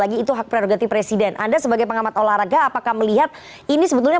lagi itu hak prerogatif presiden anda sebagai pengamat olahraga apakah melihat ini sebetulnya